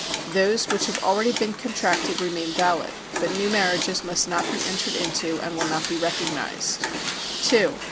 Those which have already been contracted remain valid ; but new marriages must not be entered into and will not be recognised. <c 2.